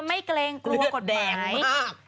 โดนไม่เกรงกลัวกฎหมายเรือสูงแรงมาก